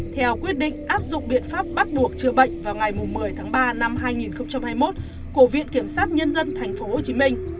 theo quyết định áp dụng biện pháp bắt buộc chữa bệnh vào ngày một mươi tháng ba năm hai nghìn hai mươi một của viện kiểm sát nhân dân tp hcm